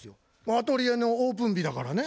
アトリエのオープン日だからね。